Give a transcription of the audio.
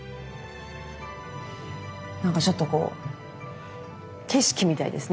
なんかちょっとこう景色みたいですね。